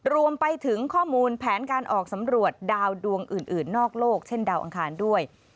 รวมไปถึงข้อมูลแผนการออกสำรวจดาวดวงอื่นนอกโลกเช่นดาวอังคารด้วย